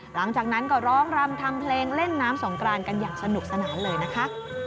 หลังจากนั้นก็ร้องรำทำเพลงเล่นน้ำสงกรานกันอย่างสนุกสนานเลยนะคะ